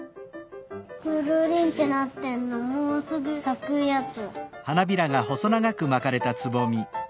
くるりんってなってんのもうすぐさくやつ。